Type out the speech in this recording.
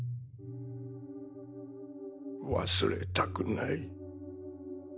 忘れたくない。